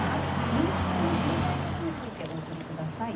認知症の知りたいことについてお送りください。